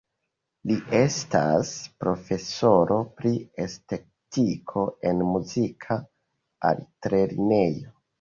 Li estas profesoro pri estetiko en muzika altlernejo.